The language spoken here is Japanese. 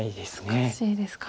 難しいですか。